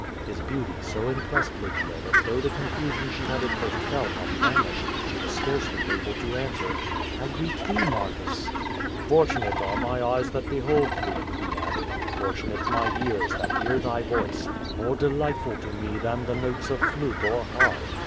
His beauty so impressed Lygia that though the confusion she had at first felt had vanished, she was scarcely able to answer: "I greet thee, Marcus.'^ 'Tortunate are my eyes that behold thee,'^ he added; "for tunate my ears that hear thy voice, more delightful to me than the notes of flute or harp.